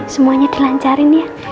semuanya dilancarin ya